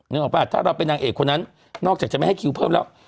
ออกป่ะถ้าเราเป็นนางเอกคนนั้นนอกจากจะไม่ให้คิวเพิ่มแล้ว